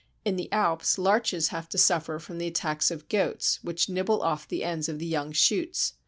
In the Alps, larches have to suffer from the attacks of goats which nibble off the ends of the young shoots.